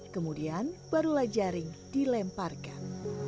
kemudian barulah jaring dilemparkan